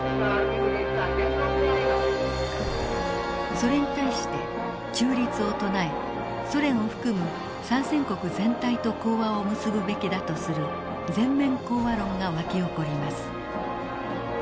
それに対して中立を唱えソ連を含む参戦国全体と講和を結ぶべきだとする全面講和論がわき起こります。